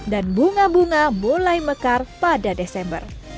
dan bunga bunga mulai mekar pada desember